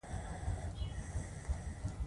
دا عموماً د سر يو طرف ته وی